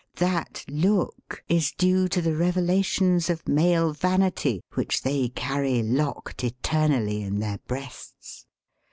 That look is due to the revelations of male vanity which they carry locked eternally in their breasts.